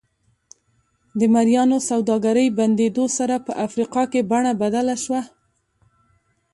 د مریانو سوداګرۍ بندېدو سره په افریقا کې بڼه بدله شوه.